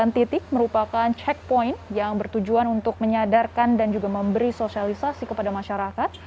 tiga ratus tujuh puluh sembilan titik merupakan checkpoint yang bertujuan untuk menyadarkan dan juga memberi sosialisasi kepada masyarakat